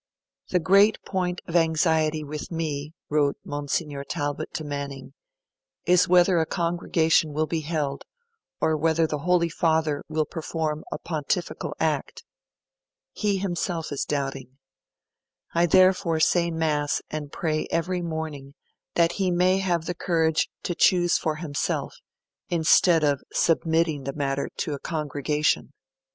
'The great point of anxiety with me, wrote Monsignor Talbot to Manning, 'is whether a Congregation will be held, or whether the Holy Father will perform a Pontifical act. He himself is doubting. I therefore say mass and pray every morning that he may have the courage to choose for himself, instead of submitting the matter to a Congregation.